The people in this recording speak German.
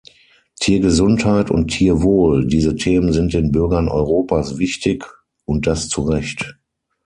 Tiergesundheit und Tierwohl, diese Themen sind den Bürgern Europas wichtig, und das zu Recht.